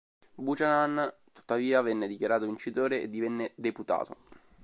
Buchanan tuttavia venne dichiarato vincitore e divenne deputato.